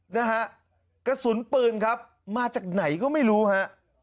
นะฮะกระสุนปืนครับมาจากไหนก็ไม่รู้ฮะ